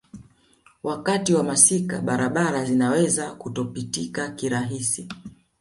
Wakati wa masika barabara zinaweza kutopitika kirahisi